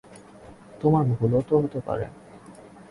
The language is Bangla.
তোমার ভুলও তো হতে পারে?